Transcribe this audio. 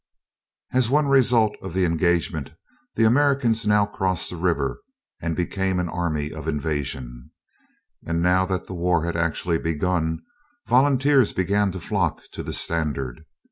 As one result of the engagement, the Americans now crossed the river, and became an Army of Invasion. And now that war had actually begun, volunteers began to flock to the standard.